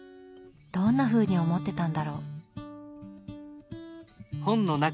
どんなふうに思ってたんだろう？